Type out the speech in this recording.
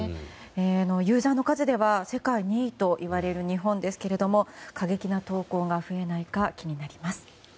ユーザーの数では世界２位といわれる日本ですが過激な投稿が増えないか気になります。